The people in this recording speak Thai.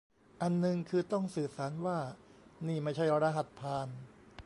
อันนึงคือต้องสื่อสารว่านี่ไม่ใช่รหัสผ่าน